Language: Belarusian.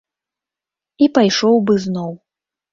І пайшоў бы зноў.